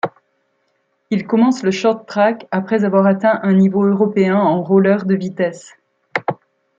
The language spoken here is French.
Il commence le short-track après avoir atteint un niveau européen en roller de vitesse.